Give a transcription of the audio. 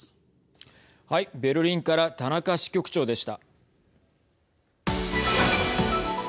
ベルリンから田中支局長でした。